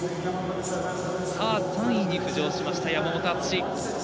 ３位に浮上しました山本篤。